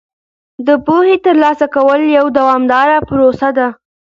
د پوهې ترلاسه کول یوه دوامداره پروسه ده.